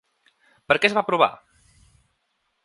Per què es va aprovar?